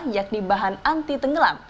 yakni bahan anti tengelam